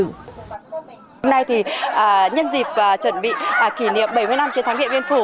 hôm nay thì nhân dịp chuẩn bị kỷ niệm bảy mươi năm chiến thắng điện biên phủ